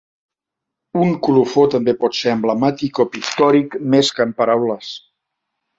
Un colofó també pot ser emblemàtic o pictòric més que en paraules.